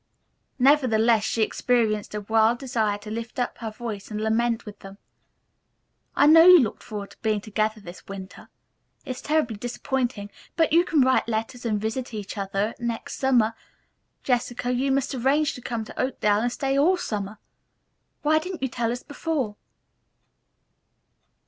Nevertheless she experienced a wild desire to lift up her voice and lament with them. "I know you looked forward to being together this winter. It's terribly disappointing, but you can write letters and visit each other, and next summer, Jessica, you must arrange to come to Oakdale and stay all summer. Why didn't you tell us before?"